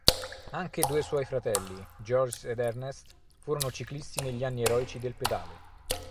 Anche due suoi fratelli, Georges ed Ernest, furono ciclisti negli anni eroici del pedale.